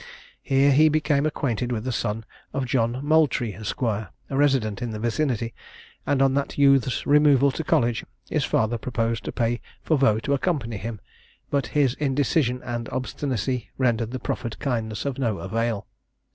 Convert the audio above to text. Here he became acquainted with the son of John Maultrie, Esq., a resident in the vicinity, and, on that youth's removal to college, his father proposed to pay for Vaux to accompany him; but his indecision and obstinacy rendered the proffered kindness of no avail.